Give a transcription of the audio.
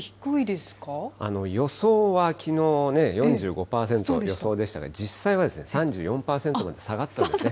予想はきのう、４５％予想でしたが、実際は３４％まで下がったんですね。